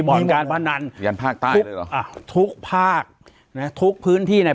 ปากกับภาคภูมิ